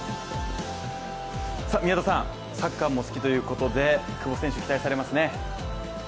宮田さん、サッカーも好きということで、久保選手、期待されますね。